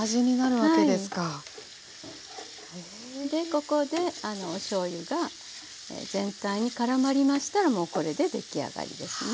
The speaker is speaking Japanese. ここでおしょうゆが全体にからまりましたらもうこれで出来上がりですね。